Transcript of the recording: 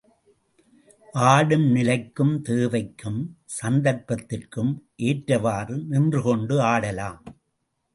ஆடும் நிலைக்கும், தேவைக்கும் சந்தர்ப்பத்திற்கும் ஏற்றவாறு, நின்றுகொண்டு ஆடலாம்.